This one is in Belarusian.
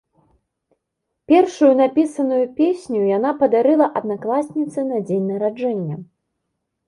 Першую напісаную песню яна падарыла аднакласніцы на дзень нараджэння.